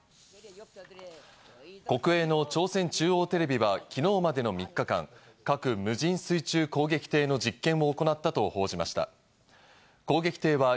国営の朝鮮中央テレビは昨日までの３日間、核無人水中攻撃艇の実験を行ったと報じました。